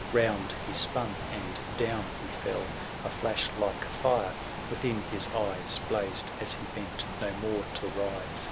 Round he spun, and down he fell ; A flash like fire within his eyes Blazed, as he bent no more to rise, 83.>